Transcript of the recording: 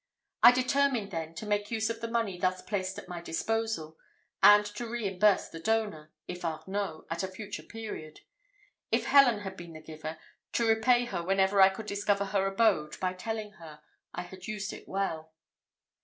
I determined then to make use of the money thus placed at my disposal, and to reimburse the donor, if Arnault, at a future period if Helen had been the giver, to repay her whenever I could discover her abode by telling her I had used it well.